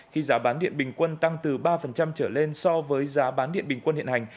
khi giá bán điện bình quân tăng từ ba trở lên so với giá bán điện bình quân hiện hành